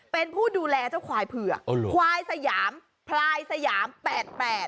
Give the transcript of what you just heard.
เป็นผู้ดูแลจ๊ะขวายเพลือกควายสยำพลายสยำแปดแปด